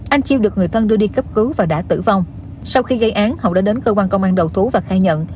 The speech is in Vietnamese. anh chiêu được người thân đưa đi cấp cứu và đã tử vong sau khi gây án hậu đã đến cơ quan công an đầu thú và khai nhận